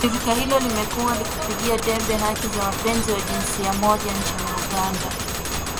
Shirika hilo limekuwa likipigia debe haki za wapenzi wa jinsia moja nchini Uganda